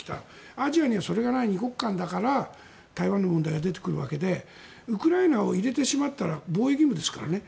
アジアにはそれがない２国間だから台湾の問題が出てくるわけでウクライナを入れてしまったら防衛義務ですからね。